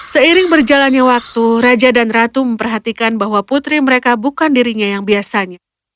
seiring berjalannya waktu raja dan ratu memperhatikan bahwa putri mereka bukan dirinya yang biasanya